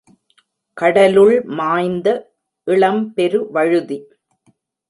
கடலுள் மாய்ந்த இளம்பெருவழுதி.